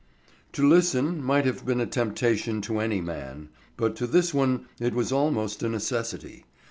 To listen might have been a temptation to any man, but to this one it was almost a necessity.